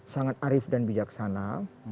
sangat arif dan bijaksana